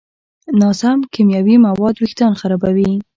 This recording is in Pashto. ناسم کیمیاوي مواد وېښتيان خرابوي.